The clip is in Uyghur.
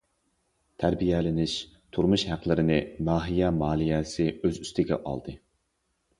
تەربىيەلىنىش، تۇرمۇش ھەقلىرىنى ناھىيە مالىيەسى ئۆز ئۈستىگە ئالدى.